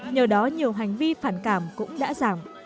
nhờ đó nhiều hành vi phản cảm cũng đã giảm